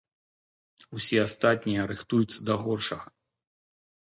Усе астатнія рыхтуюцца да горшага.